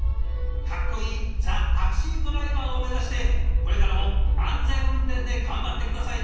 かっこいいザ・タクシードライバーを目指してこれからも安全運転で頑張って下さいね。